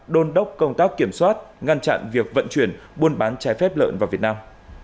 đôn đốc công tác kiểm soát ngăn chặn việc vận chuyển buôn bán trái phép lợn vào việt nam